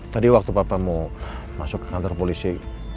tadi waktu bapak mau masuk ke kantor polisi